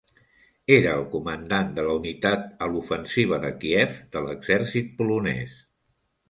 Era el Comandant de la unitat a l'Ofensiva de Kiev de l'Exèrcit Polonès.